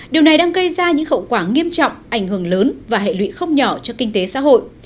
điều này đang gây ra những khẩu quả nghiêm trọng ảnh hưởng lớn và hệ lụy không nhỏ cho kinh tế xã hội